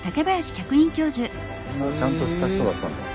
ちゃんとした人だったんだ。